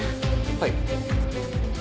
はい。